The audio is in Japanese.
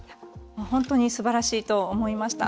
本当にすばらしいと思いました。